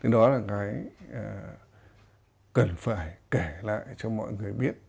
đó là cái cần phải kể lại cho mọi người biết